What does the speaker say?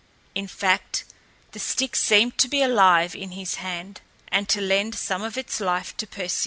In fact, the stick seemed to be alive in his hand and to lend some of its life to Perseus.